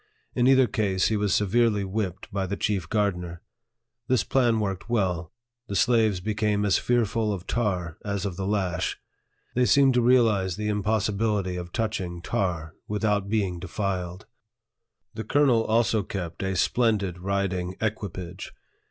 In either case, he was severely whipped by the chief gardener. This plan worked well ; the slaves became as fearful of tar as of the lash. They seemed to realize the impossibility of touching tar without being defiled. The colonel also kept a splendid riding equipage.